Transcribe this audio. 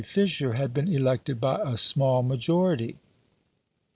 Fisher had been elected by a small majority.